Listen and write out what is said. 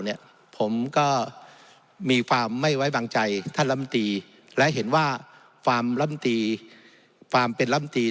ผมก็มีความไม่ไว้วางใจท่านลำตีและเห็นว่าฟาร์มลำตีความเป็นลำตี